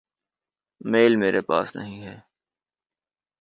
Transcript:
میل میرے پاس نہیں ہے۔۔